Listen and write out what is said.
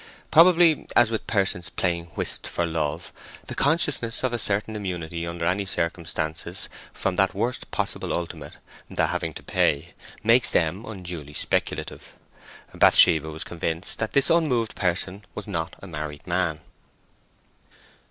Probably, as with persons playing whist for love, the consciousness of a certain immunity under any circumstances from that worst possible ultimate, the having to pay, makes them unduly speculative. Bathsheba was convinced that this unmoved person was not a married man.